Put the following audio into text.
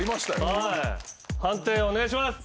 はい判定お願いします！